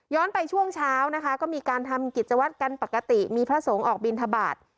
ไปช่วงเช้านะคะก็มีการทำกิจวัตรกันปกติมีพระสงฆ์ออกบินทบาท